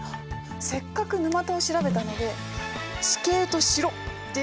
せっかく沼田を調べたので地形と城っていうのはどうですか？